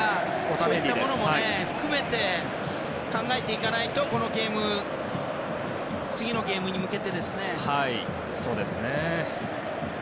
そういったものも含めて考えていかないとこのゲーム次のゲームに向けてですね。